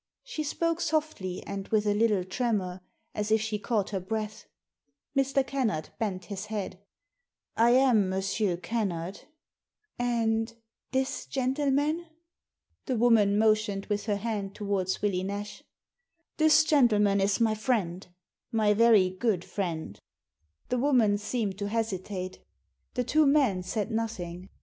She spoke softly and with a little tremor, as if she caught Digitized by VjOOQIC THE ASSASSIN 173 her breath. Mr. Kennard bent his head *I am Monsieur Kennard." And— this gentleman?" The woman motioned with her hand towards Willie Nash. "This gentleman is my friend; my very good friend." The woman seemed to hesitate. The two men said nothing.